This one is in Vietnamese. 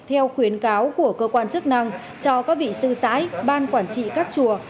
theo khuyến cáo của cơ quan chức năng cho các vị sư sãi ban quản trị các chùa